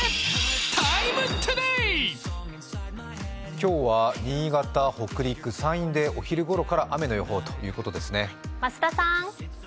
今日は新潟、北陸、山陰でお昼ごろから雨の予報ということですね。